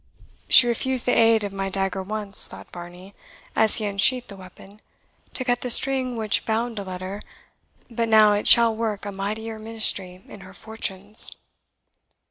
"She refused the aid of my dagger once," thought Varney, as he unsheathed the weapon, "to cut the string which bound a letter, but now it shall work a mightier ministry in her fortunes."